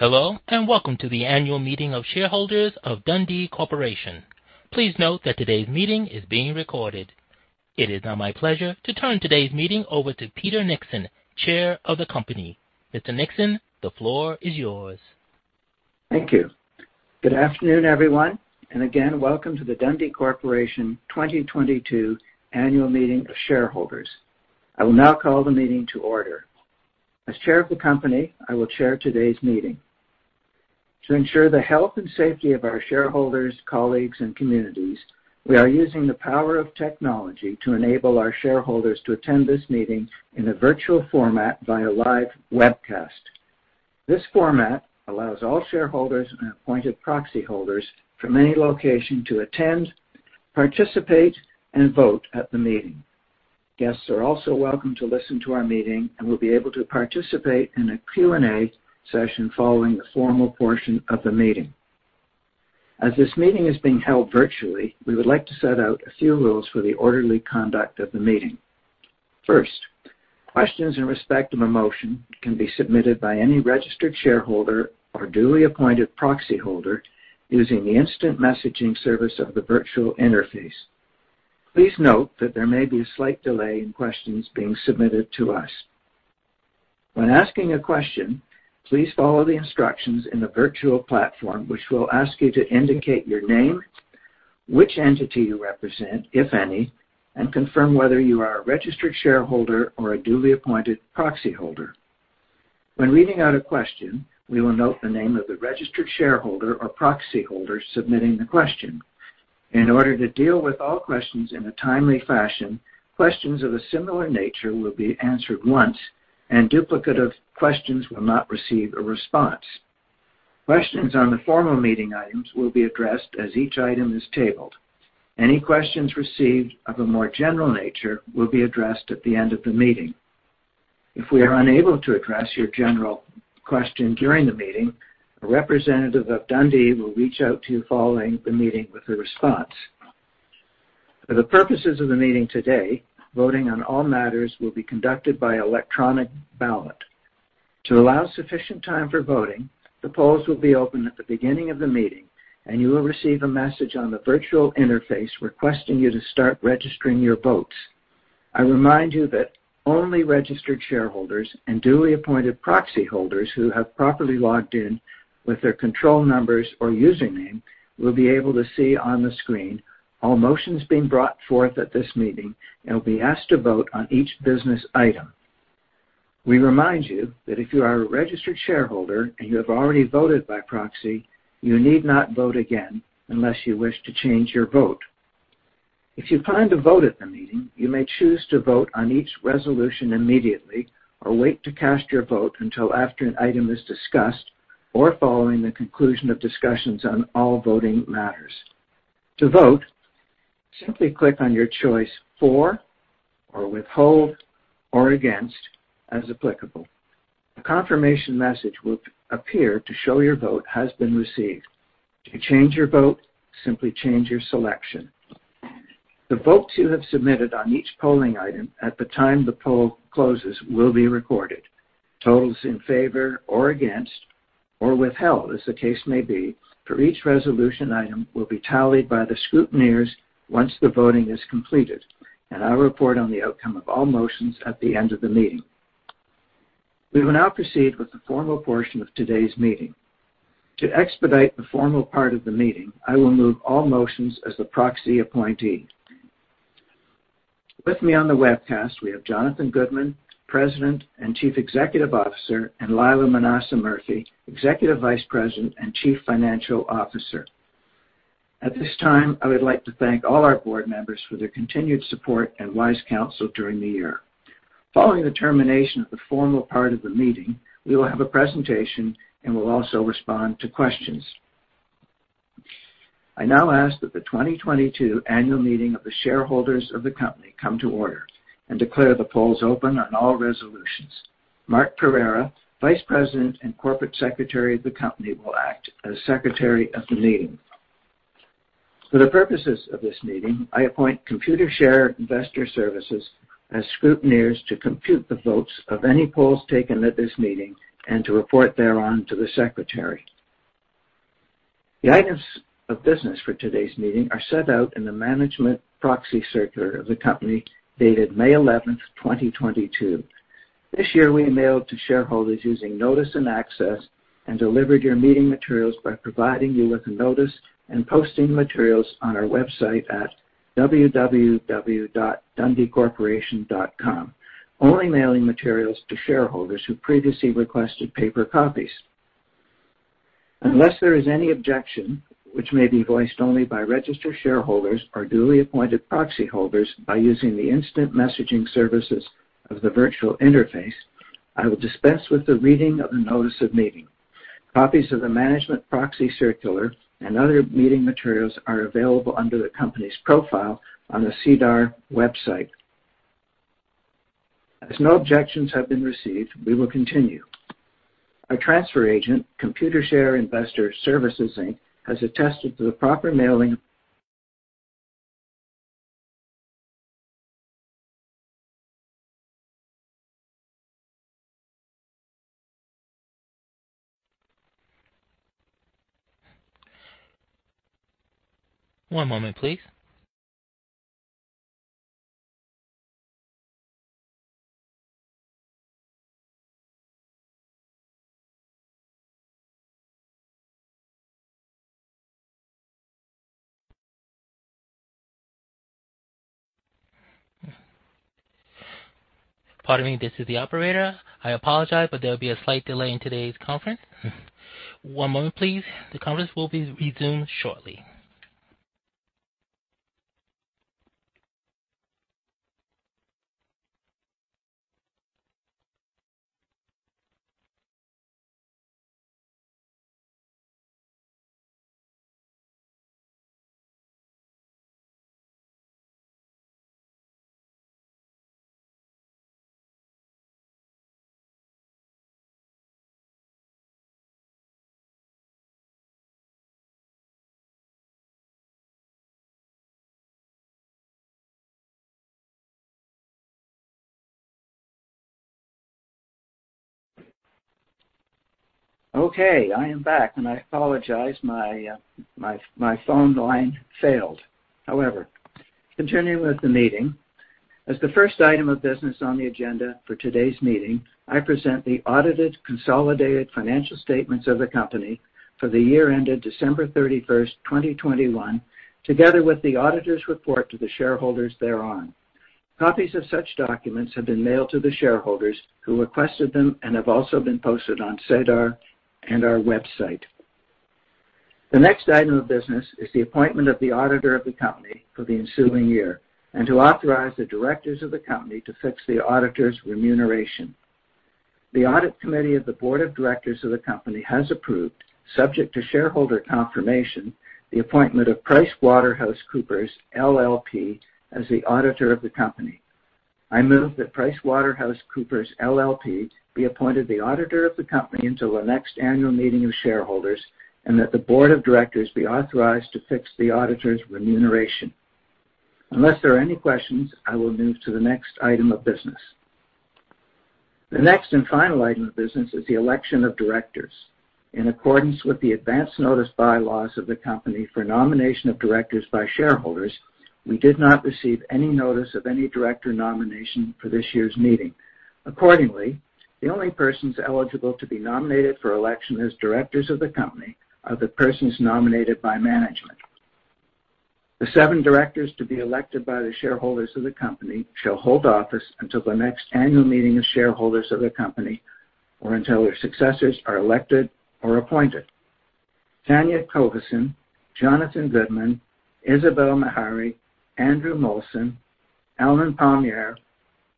Hello, and welcome to the Annual Meeting of Shareholders of Dundee Corporation. Please note that today's meeting is being recorded. It is now my pleasure to turn today's meeting over to Peter Nixon, Chair of the company. Mr. Nixon, the floor is yours. Thank you. Good afternoon, everyone, and again, welcome to the Dundee Corporation’s 2022 Annual Meeting of Shareholders. I will now call the meeting to order. As Chair of the company, I will chair today's meeting. To ensure the health and safety of our shareholders, colleagues, and communities, we are using the power of technology to enable our shareholders to attend this meeting in a virtual format via live webcast. This format allows all shareholders and appointed proxyholders from any location to attend, participate, and vote at the meeting. Guests are also welcome to listen to our meeting and will be able to participate in a Q&A session following the formal portion of the meeting. As this meeting is being held virtually, we would like to set out a few rules for the orderly conduct of the meeting. First, questions in respect of a motion can be submitted by any registered shareholder or duly appointed proxyholder using the instant messaging service of the virtual interface. Please note that there may be a slight delay in questions being submitted to us. When asking a question, please follow the instructions in the virtual platform, which will ask you to indicate your name, which entity you represent, if any, and confirm whether you are a registered shareholder or a duly appointed proxyholder. When reading out a question, we will note the name of the registered shareholder or proxyholder submitting the question. In order to deal with all questions in a timely fashion, questions of a similar nature will be answered once, and duplicate of questions will not receive a response. Questions on the formal meeting items will be addressed as each item is tabled. Any questions received of a more general nature will be addressed at the end of the meeting. If we are unable to address your general question during the meeting, a representative of Dundee will reach out to you following the meeting with a response. For the purposes of the meeting today, voting on all matters will be conducted by electronic ballot. To allow sufficient time for voting, the polls will be open at the beginning of the meeting, and you will receive a message on the virtual interface requesting you to start registering your votes. I remind you that only registered shareholders and duly appointed proxyholders who have properly logged in with their control numbers or username will be able to see on the screen all motions being brought forth at this meeting and will be asked to vote on each business item. We remind you that if you are a registered shareholder and you have already voted by proxy, you need not vote again unless you wish to change your vote. If you plan to vote at the meeting, you may choose to vote on each resolution immediately or wait to cast your vote until after an item is discussed or following the conclusion of discussions on all voting matters. To vote, simply click on your choice for or withhold or against as applicable. A confirmation message will appear to show your vote has been received. To change your vote, simply change your selection. The votes you have submitted on each polling item at the time the poll closes will be recorded. Totals in favor or against or withheld, as the case may be, for each resolution item will be tallied by the scrutineers once the voting is completed. I'll report on the outcome of all motions at the end of the meeting. We will now proceed with the formal portion of today's meeting. To expedite the formal part of the meeting, I will move all motions as the proxy appointee. With me on the webcast, we have Jonathan Goodman, President and Chief Executive Officer, and Lila A. Manassa Murphy, Executive Vice President and Chief Financial Officer. At this time, I would like to thank all our board members for their continued support and wise counsel during the year. Following the termination of the formal part of the meeting, we will have a presentation and we'll also respond to questions. I now ask that the 2022 annual meeting of the shareholders of the company come to order and declare the polls open on all resolutions. Mark Pereira, Vice President and Corporate Secretary of the company, will act as Secretary of the meeting. For the purposes of this meeting, I appoint Computershare Investor Services as scrutineers to compute the votes of any polls taken at this meeting and to report thereon to the Secretary. The items of business for today's meeting are set out in the Management Proxy Circular of the company dated May 11, 2022. This year, we mailed to shareholders using notice and access and delivered your meeting materials by providing you with a notice and posting materials on our website at www.dundeecorporation.com, only mailing materials to shareholders who previously requested paper copies. Unless there is any objection, which may be voiced only by registered shareholders or duly appointed proxyholders, by using the instant messaging services of the virtual interface, I will dispense with the reading of the notice of meeting. Copies of the Management Proxy Circular and other meeting materials are available under the company's profile on the SEDAR website. As no objections have been received, we will continue. Our transfer agent, Computershare Investor Services, Inc., has attested to the proper mailing. One moment, please. Pardon me. This is the operator. I apologize, but there'll be a slight delay in today's conference. One moment, please. The conference will be resumed shortly. I am back, and I apologize. My phone line failed. However, continuing with the meeting. As the first item of business on the agenda for today's meeting, I present the audited consolidated financial statements of the company for the year ended December 31, 2021, together with the auditor's report to the shareholders thereon. Copies of such documents have been mailed to the shareholders who requested them and have also been posted on SEDAR and our website. The next item of business is the appointment of the auditor of the company for the ensuing year and to authorize the directors of the company to fix the auditor's remuneration. The Audit Committee of the Board of Directors of the company has approved, subject to shareholder confirmation, the appointment of PricewaterhouseCoopers LLP, as the auditor of the company. I move that PricewaterhouseCoopers LLP be appointed the auditor of the company until the next annual meeting of shareholders and that the Board of Directors be authorized to fix the auditor's remuneration. Unless there are any questions, I will move to the next item of business. The next and final item of business is the election of directors. In accordance with the Advance Notice Bylaws of the company for nomination of directors by shareholders, we did not receive any notice of any director nomination for this year's meeting. Accordingly, the only persons eligible to be nominated for election as directors of the company are the persons nominated by management. The seven directors to be elected by the shareholders of the company shall hold office until the next annual meeting of shareholders of the company or until their successors are elected or appointed. Tanya Covassin, Jonathan Goodman, Isabel Meharry, Andrew Molson, Allen Palmiere,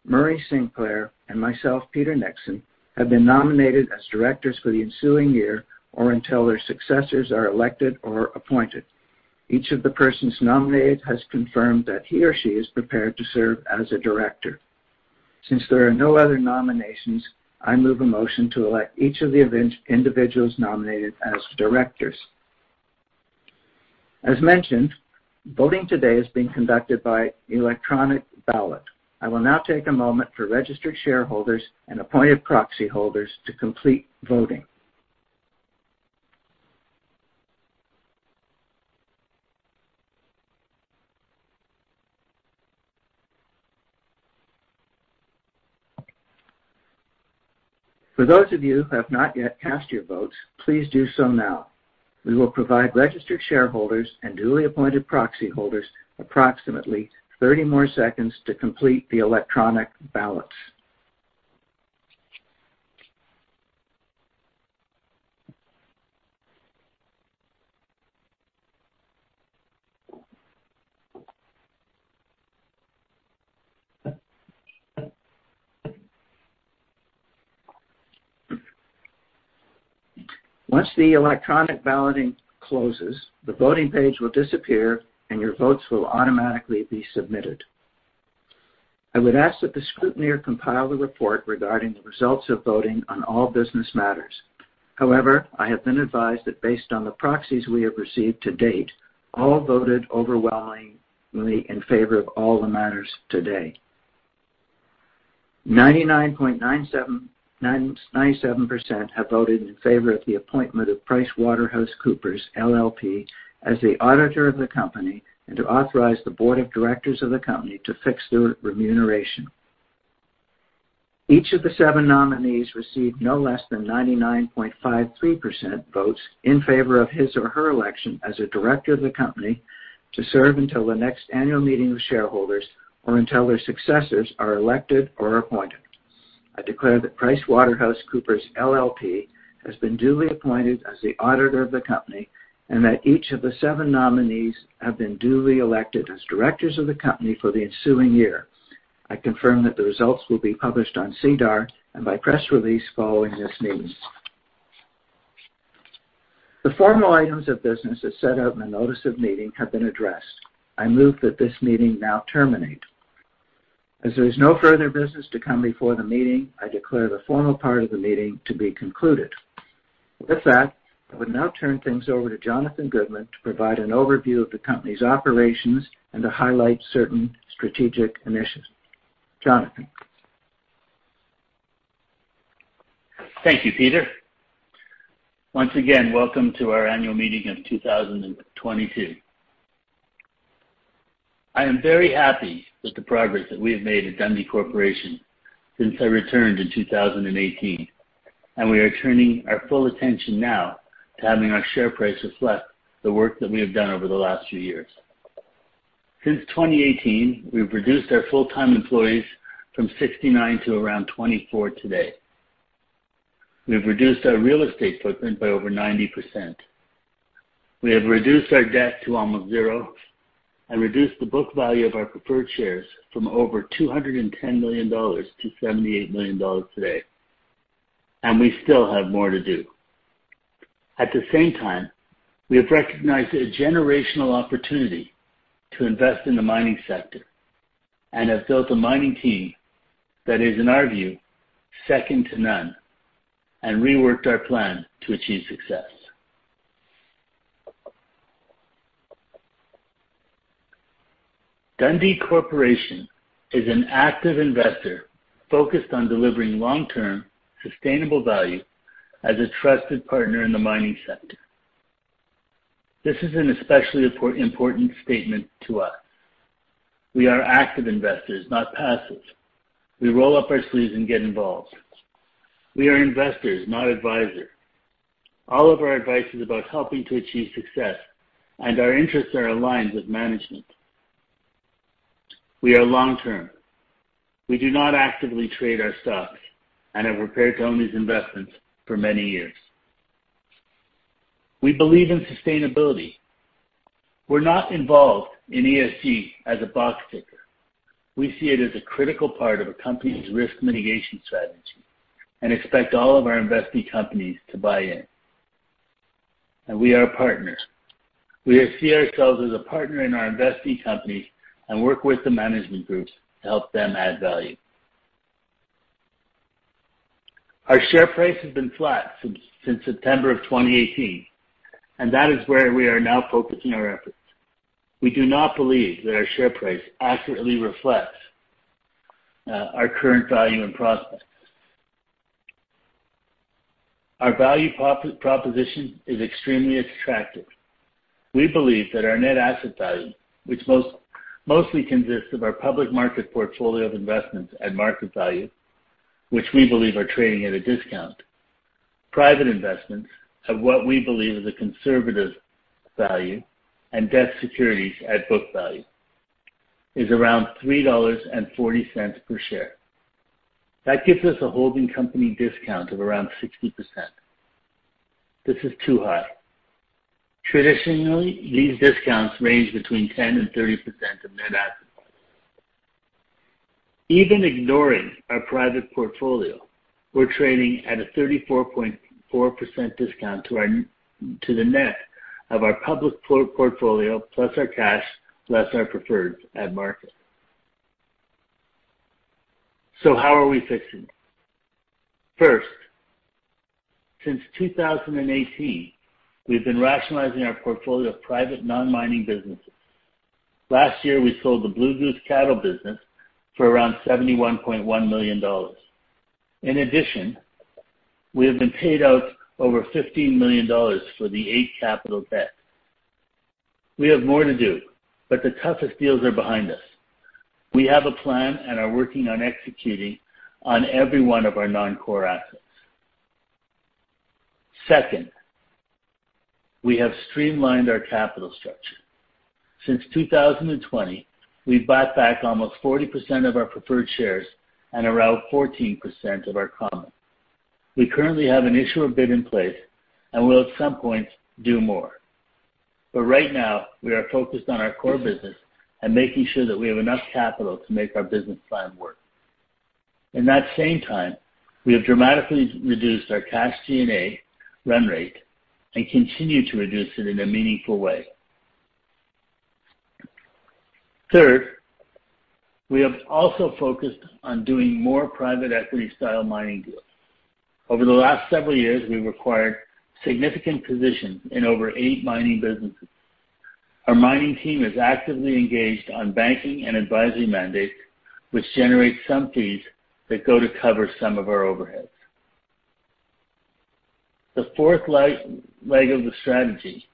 Murray Sinclair, and myself, Peter Nixon, have been nominated as directors for the ensuing year or until their successors are elected or appointed. Each of the persons nominated has confirmed that he or she is prepared to serve as a director. Since there are no other nominations, I move a motion to elect each of the individuals nominated as directors. As mentioned, voting today is being conducted by electronic ballot. I will now take a moment for registered shareholders and appointed proxyholders to complete voting. For those of you who have not yet cast your votes, please do so now. We will provide registered shareholders and duly appointed proxyholders approximately 30 more seconds to complete the electronic ballots. Once the electronic balloting closes, the voting page will disappear, and your votes will automatically be submitted. I would ask that the scrutineer compile the report regarding the results of voting on all business matters. However, I have been advised that based on the proxies we have received to date, all voted overwhelmingly in favor of all the matters today. 99.97% have voted in favor of the appointment of PricewaterhouseCoopers LLP as the auditor of the company and to authorize the Board of Directors of the company to fix their remuneration. Each of the seven nominees received no less than 99.53% votes in favor of his or her election as a director of the company to serve until the next annual meeting of shareholders or until their successors are elected or appointed. I declare that PricewaterhouseCoopers LLP has been duly appointed as the auditor of the company and that each of the seven nominees have been duly elected as directors of the company for the ensuing year. I confirm that the results will be published on SEDAR and by press release following this meeting. The formal items of business as set out in the notice of meeting have been addressed. I move that this meeting now terminate. As there is no further business to come before the meeting, I declare the formal part of the meeting to be concluded. With that, I will now turn things over to Jonathan Goodman to provide an overview of the company's operations and to highlight certain strategic initiatives. Jonathan. Thank you, Peter. Once again, welcome to our Annual Meeting of 2022. I am very happy with the progress that we have made at Dundee Corporation since I returned in 2018, and we are turning our full attention now to having our share price reflect the work that we have done over the last few years. Since 2018, we've reduced our full-time employees from 69 to around 24 today. We've reduced our real estate footprint by over 90%. We have reduced our debt to almost zero and reduced the book value of our preferred shares from over 210 million dollars to 78 million dollars today. We still have more to do. At the same time, we have recognized a generational opportunity to invest in the mining sector and have built a mining team that is, in our view, second to none, and reworked our plan to achieve success. Dundee Corporation is an active investor focused on delivering long-term sustainable value as a trusted partner in the mining sector. This is an especially important statement to us. We are active investors, not passive. We roll up our sleeves and get involved. We are investors, not advisors. All of our advice is about helping to achieve success, and our interests are aligned with management. We are long-term. We do not actively trade our stock and are prepared to own these investments for many years. We believe in sustainability. We're not involved in ESG as a box ticker. We see it as a critical part of a company's risk mitigation strategy and expect all of our investee companies to buy in. We are partners. We see ourselves as a partner in our investee companies and work with the management groups to help them add value. Our share price has been flat since September of 2018, and that is where we are now focusing our efforts. We do not believe that our share price accurately reflects our current value and prospects. Our value proposition is extremely attractive. We believe that our net asset value, which mostly consists of our public market portfolio of investments at market value, which we believe are trading at a discount, private investments of what we believe is a conservative value and debt securities at book value, is around 3.40 dollars per share. That gives us a holding company discount of around 60%. This is too high. Traditionally, these discounts range between 10% and 30% of net asset price. Even ignoring our private portfolio, we're trading at a 34.4% discount to the net of our public portfolio, plus our cash, less our preferred at market. How are we fixing it? First, since 2018, we've been rationalizing our portfolio of private non-mining businesses. Last year, we sold the Blue Goose Cattle business for around 71.1 million dollars. In addition, we have been paid out over 15 million dollars for the Eight Capital debt. We have more to do, but the toughest deals are behind us. We have a plan and are working on executing on every one of our non-core assets. Second, we have streamlined our capital structure. Since 2020, we've bought back almost 40% of our preferred shares and around 14% of our common. We currently have an issuer bid in place and will at some point do more. Right now, we are focused on our core business and making sure that we have enough capital to make our business plan work. In that same time, we have dramatically reduced our cash G&A run-rate, and continue to reduce it in a meaningful way. Third, we have also focused on doing more private equity style mining deals. Over the last several years, we've acquired significant positions in over eight mining businesses. Our mining team is actively engaged on banking and advisory mandates, which generate some fees that go to cover some of our overheads. The fourth leg of the strategy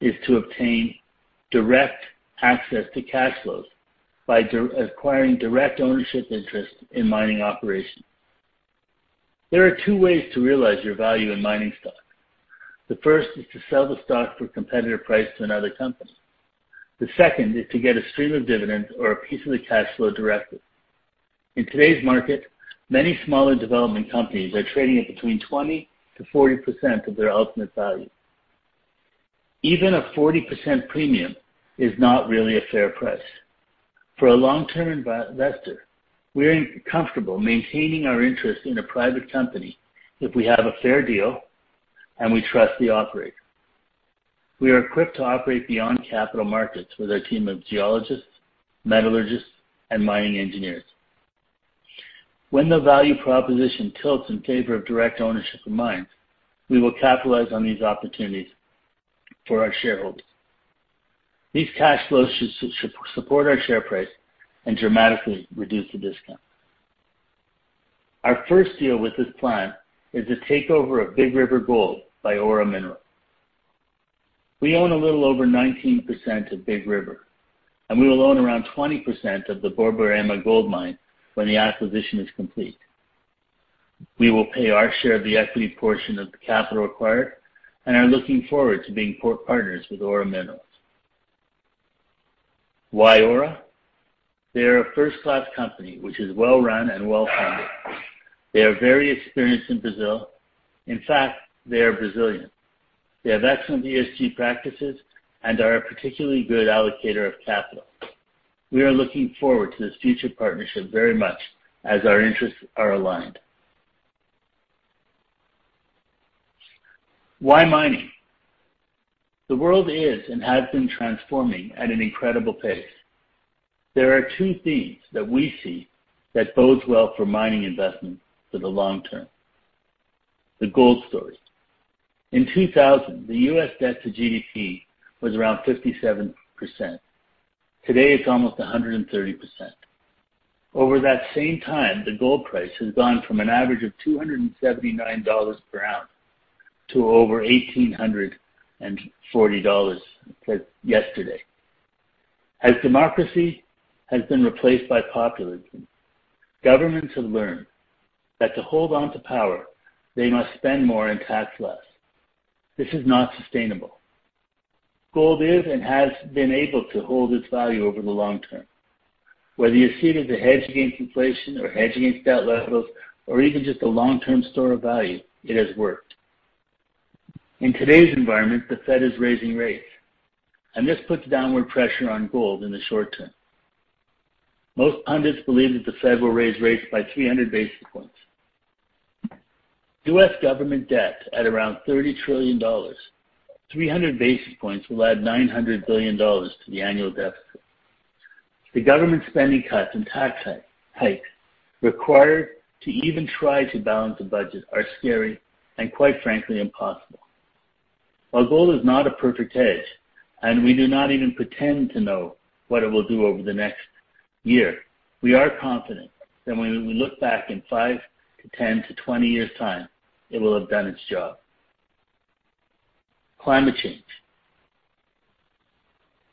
is to obtain direct access to cash flows by acquiring direct ownership interest in mining operations. There are two ways to realize your value in mining stock. The first is to sell the stock for competitive price to another company. The second is to get a stream of dividends or a piece of the cash flow directly. In today's market, many smaller development companies are trading at between 20%-40% of their ultimate value. Even a 40% premium is not really a fair price. For a long-term investor, we're comfortable maintaining our interest in a private company if we have a fair deal and we trust the operator. We are equipped to operate beyond capital markets with our team of geologists, metallurgists, and mining engineers. When the value proposition tilts in favor of direct ownership of mines, we will capitalize on these opportunities for our shareholders. These cash flows should support our share price and dramatically reduce the discount. Our first deal with this plan is the takeover of Big River Gold by Aura Minerals. We own a little over 19% of Big River, and we will own around 20% of the Borborema Gold Mine when the acquisition is complete. We will pay our share of the equity portion of the capital required and are looking forward to being partners with Aura Minerals. Why Aura? They are a first-class company, which is well run and well-funded. They are very experienced in Brazil. In fact, they are Brazilian. They have excellent ESG practices and are a particularly good allocator of capital. We are looking forward to this future partnership very much as our interests are aligned. Why mining? The world is and has been transforming at an incredible pace. There are two themes that we see that bodes well for mining investment for the long term. The gold story. In 2000, the U.S. debt to GDP was around 57%. Today, it's almost 130%. Over that same time, the gold price has gone from an average of $279 per ounce to over $1,840 yesterday. As democracy has been replaced by populism, governments have learned that to hold on to power, they must spend more and tax less. This is not sustainable. Gold is and has been able to hold its value over the long term. Whether you see it as a hedge against inflation or a hedge against debt levels or even just a long-term store of value, it has worked. In today's environment, the Fed is raising rates, and this puts downward pressure on gold in the short term. Most pundits believe that the Fed will raise rates by 300 basis points. U.S. government debt at around $30 trillion, 300 basis points will add $900 billion to the annual deficit. The government spending cuts and tax hikes required to even try to balance the budget are scary and quite frankly, impossible. While gold is not a perfect hedge, and we do not even pretend to know what it will do over the next year, we are confident that when we look back in five, 10–20 years' time, it will have done its job. Climate change.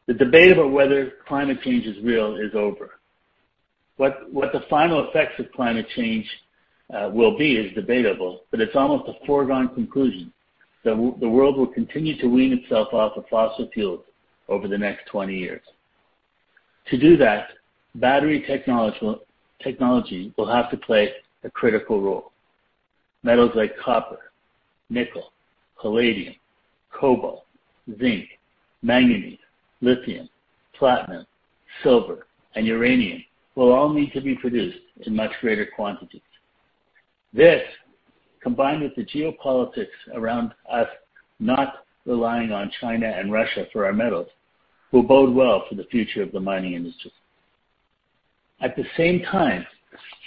The debate about whether climate change is real is over. What the final effects of climate change will be is debatable, but it's almost a foregone conclusion that the world will continue to wean itself off of fossil fuels over the next 20 years. To do that, battery technology will have to play a critical role. Metals like copper, nickel, palladium, cobalt, zinc, manganese, lithium, platinum, silver, and uranium will all need to be produced in much greater quantities. This, combined with the geopolitics around us not relying on China and Russia for our metals, will bode well for the future of the mining industry. At the same time,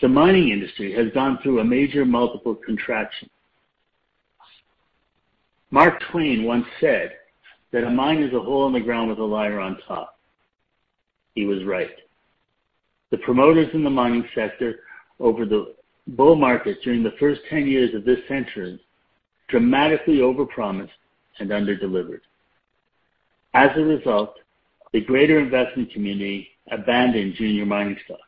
the mining industry has gone through a major multiple contraction. Mark Twain once said that a mine is a hole in the ground with a liar on top. He was right. The promoters in the mining sector over the bull market during the first 10 years of this century dramatically overpromised and underdelivered. As a result, the greater investment community abandoned junior mining stocks.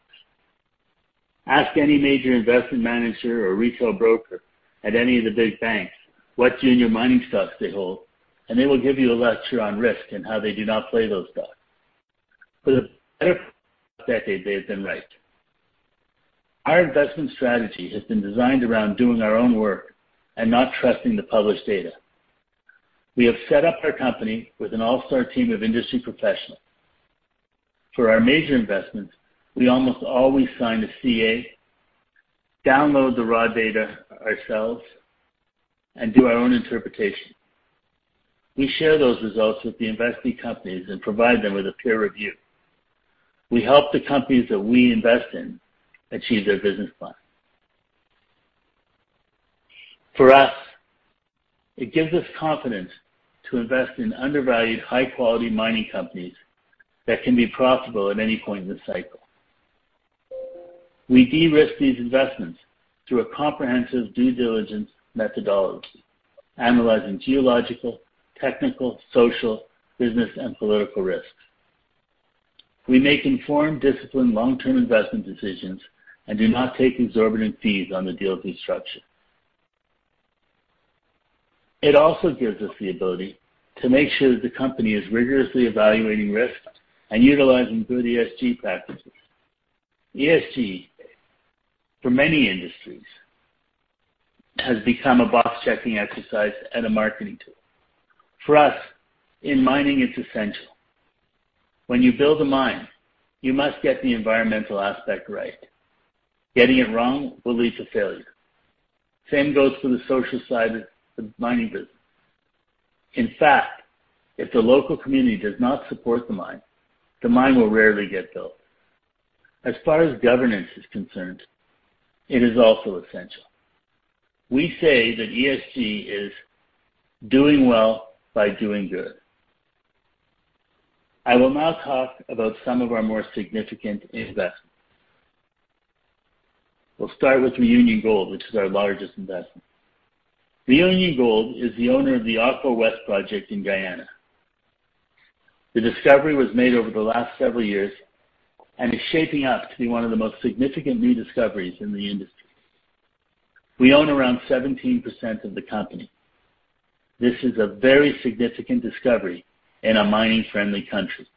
Ask any major investment manager or retail broker at any of the big banks what junior mining stocks they hold, and they will give you a lecture on risk and how they do not play those stocks. For the better part of the decade, they have been right. Our investment strategy has been designed around doing our own work and not trusting the published data. We have set up our company with an all-star team of industry professionals. For our major investments, we almost always sign a CA, download the raw data ourselves, and do our own interpretation. We share those results with the investee companies and provide them with a peer review. We help the companies that we invest in achieve their business plan. For us, it gives us confidence to invest in undervalued, high-quality mining companies that can be profitable at any point in the cycle. We de-risk these investments through a comprehensive due diligence methodology, analyzing geological, technical, social, business, and political risks. We make informed, disciplined, long-term investment decisions and do not take exorbitant fees on the deal fee structure. It also gives us the ability to make sure that the company is rigorously evaluating risks and utilizing good ESG practices. ESG, for many industries, has become a box-checking exercise and a marketing tool. For us, in mining, it's essential. When you build a mine, you must get the environmental aspect right. Getting it wrong will lead to failure. Same goes for the social side of the mining business. In fact, if the local community does not support the mine, the mine will rarely get built. As far as governance is concerned, it is also essential. We say that ESG is doing well by doing good. I will now talk about some of our more significant investments. We'll start with Reunion Gold, which is our largest investment. Reunion Gold is the owner of the Oko West project in Guyana. The discovery was made over the last several years and is shaping up to be one of the most significant new discoveries in the industry. We own around 17% of the company. This is a very significant discovery in a mining-friendly country.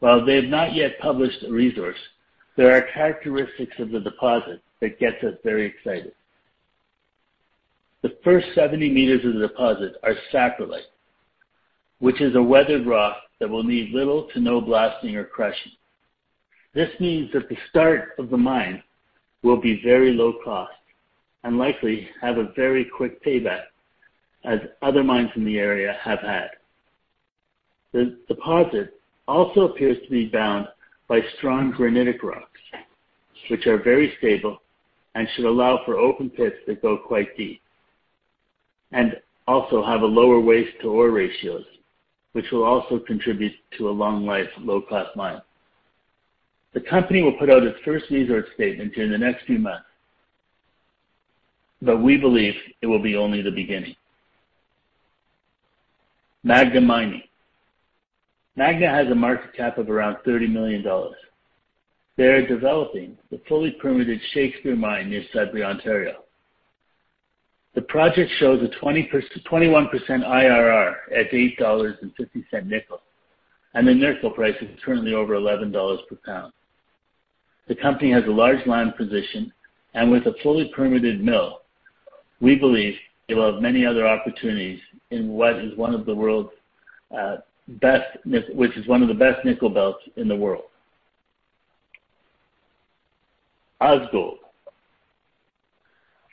While they have not yet published a resource, there are characteristics of the deposit that gets us very excited. The first 70 meters of the deposit are saprolite, which is a weathered rock that will need little to no blasting or crushing. This means that the start of the mine will be very low cost and likely have a very quick payback, as other mines in the area have had. The deposit also appears to be bound by strong granitic rocks, which are very stable and should allow for open pits that go quite deep, and also have a lower waste to ore ratios, which will also contribute to a long life, low-cost mine. The company will put out its first reserve statement in the next few months, but we believe it will be only the beginning. Magna Mining. Magna has a market cap of around 30 million dollars. They are developing the fully permitted Shakespeare mine near Sudbury, Ontario. The project shows a 21% IRR at $8.50 nickel, and the nickel price is currently over $11 per pound. The company has a large land position, and with a fully permitted mill, we believe it will have many other opportunities in what is one of the world's best nickel belts in the world. Ausgold.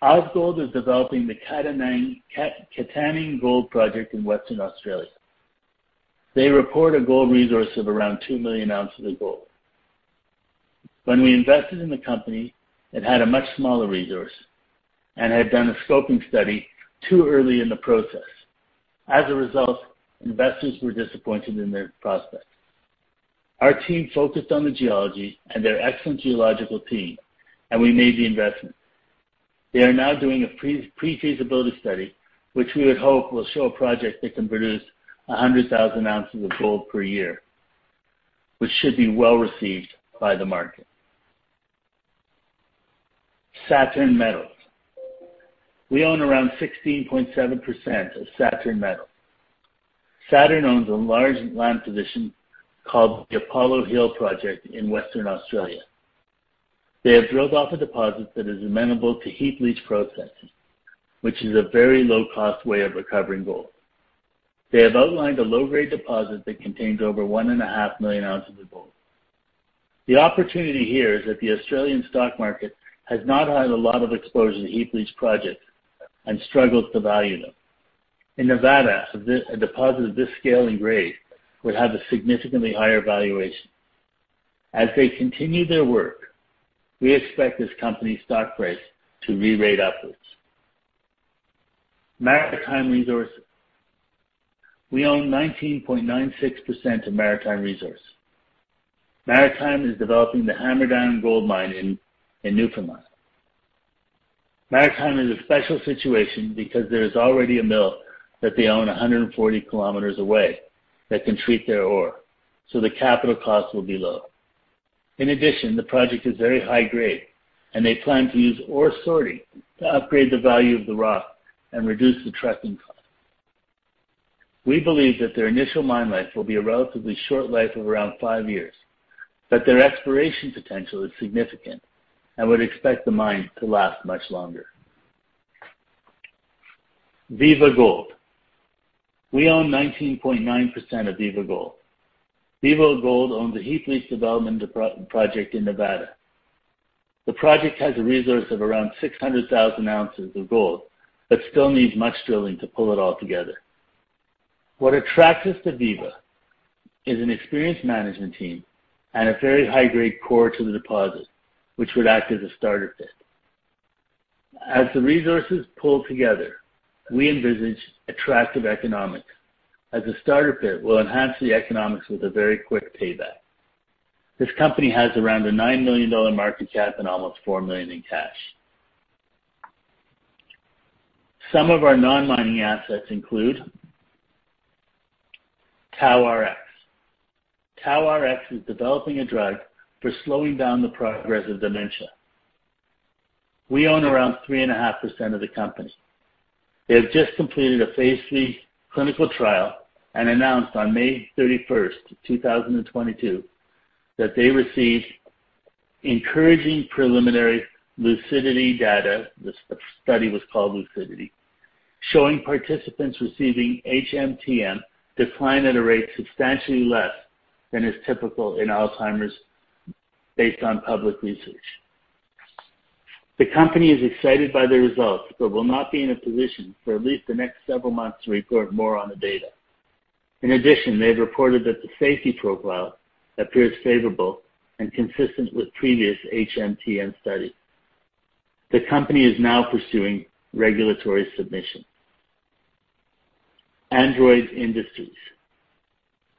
Ausgold is developing the Katanning Gold Project in Western Australia. They report a gold resource of around 2 million ozt of gold. When we invested in the company, it had a much smaller resource and had done a scoping study too early in the process. As a result, investors were disappointed in their prospects. Our team focused on the geology and their excellent geological team, and we made the investment. They are now doing a pre-feasibility study, which we would hope will show a project that can produce 100,000 ozt of gold per year, which should be well-received by the market. Saturn Metals. We own around 16.7% of Saturn Metals. Saturn owns a large land position called the Apollo Hill Project in Western Australia. They have drilled off a deposit that is amenable to heap leach processing, which is a very low-cost way of recovering gold. They have outlined a low-grade deposit that contains over 1.5 million ozt of gold. The opportunity here is that the Australian stock market has not had a lot of exposure to heap leach projects and struggles to value them. In Nevada, a deposit of this scale and grade would have a significantly higher valuation. As they continue their work, we expect this company's stock price to re-rate upwards. Maritime Resources. We own 19.96% of Maritime Resources. Maritime Resources is developing the Hammerdown Gold Mine in Newfoundland. Maritime Resources is a special situation because there is already a mill that they own 140 km away that can treat their ore, so the capital cost will be low. In addition, the project is very high grade and they plan to use ore sorting to upgrade the value of the rock and reduce the trucking cost. We believe that their initial mine life will be a relatively short life of around five years, but their exploration potential is significant and would expect the mine to last much longer. Viva Gold. We own 19.9% of Viva Gold. Viva Gold owns a heap leach development project in Nevada. The project has a resource of around 600,000 ozt of gold, but still needs much drilling to pull it all together. What attracts us to Viva is an experienced management team and a very high-grade core to the deposit, which would act as a starter pit. As the resources pull together, we envisage attractive economics as the starter pit will enhance the economics with a very quick payback. This company has around a 9 million dollar market cap and almost 4 million in cash. Some of our non-mining assets include TauRx. TauRx is developing a drug for slowing down the progress of dementia. We own around 3.5% of the company. They have just completed a phase III clinical trial and announced on May 31, 2022, that they received encouraging preliminary LUCIDITY data. The study was called LUCIDITY, showing participants receiving HMTM decline at a rate substantially less than is typical in Alzheimer's based on public research. The company is excited by the results, but will not be in a position for at least the next several months to report more on the data. In addition, they have reported that the safety profile appears favorable and consistent with previous HMTM study. The company is now pursuing regulatory submission. Android Industries.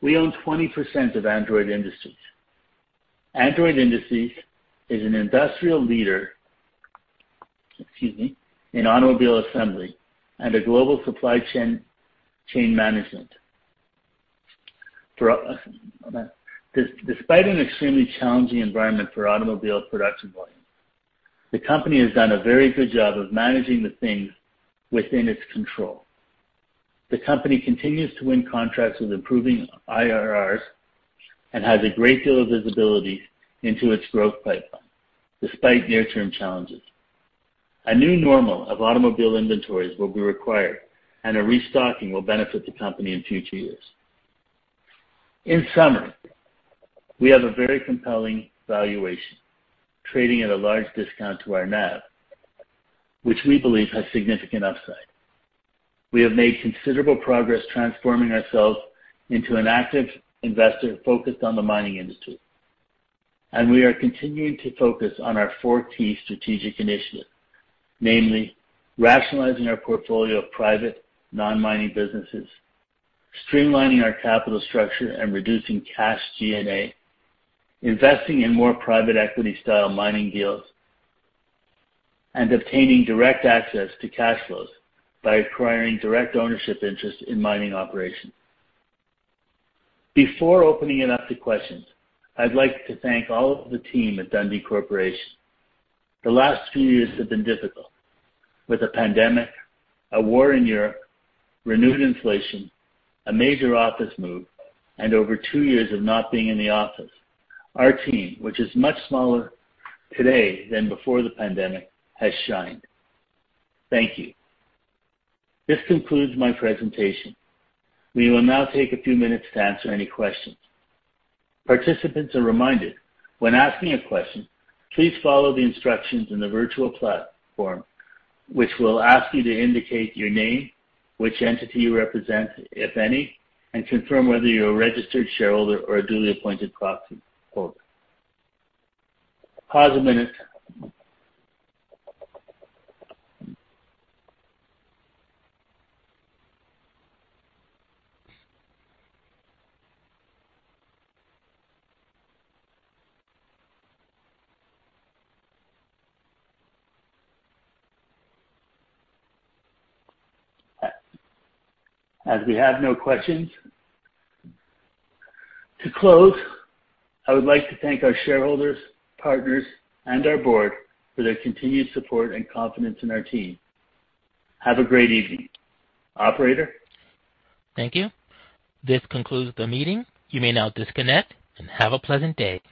We own 20% of Android Industries. Android Industries is an industrial leader in automobile assembly and a global supply chain management. Despite an extremely challenging environment for automobile production volumes, the company has done a very good job of managing the things within its control. The company continues to win contracts with improving IRRs and has a great deal of visibility into its growth pipeline, despite near-term challenges. A new normal of automobile inventories will be required, and a restocking will benefit the company in future years. In summary, we have a very compelling valuation, trading at a large discount to our NAV, which we believe has significant upside. We have made considerable progress transforming ourselves into an active investor focused on the mining industry, and we are continuing to focus on our four key strategic initiatives, namely rationalizing our portfolio of private non-mining businesses, streamlining our capital structure and reducing cash G&A, investing in more private equity style mining deals, and obtaining direct access to cash flows by acquiring direct ownership interest in mining operations. Before opening it up to questions, I'd like to thank all of the team at Dundee Corporation. The last few years have been difficult. With a pandemic, a war in Europe, renewed inflation, a major office move, and over two years of not being in the office, our team, which is much smaller today than before the pandemic, has shined. Thank you. This concludes my presentation. We will now take a few minutes to answer any questions. Participants are reminded, when asking a question, please follow the instructions in the virtual platform, which will ask you to indicate your name, which entity you represent, if any, and confirm whether you're a registered shareholder or a duly appointed proxy voter. Pause a minute. As we have no questions, to close, I would like to thank our shareholders, partners, and our board for their continued support and confidence in our team. Have a great evening. Operator? Thank you. This concludes the meeting. You may now disconnect and have a pleasant day.